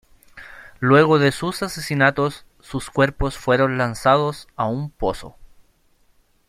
Luego de sus asesinato, sus cuerpos fueron lanzados a un pozo.